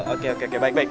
oke oke baik baik